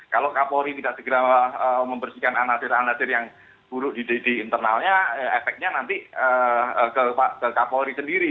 kalau kapolri tidak segera membersihkan anasir anasir yang buruk di internalnya efeknya nanti ke kapolri sendiri